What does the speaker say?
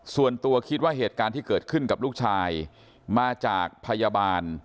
ส่วนตัวคิดว่าเหตุการณ์ที่เกิดขึ้นกับลูกชายมาจากพยาบาล